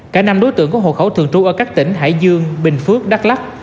cả năm đối tượng có hộ khẩu thường trú ở các tỉnh hải dương bình phước đắk lắc